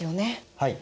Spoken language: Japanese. はい。